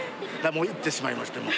もう言ってしまいました。